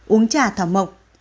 uống trà thảo mộc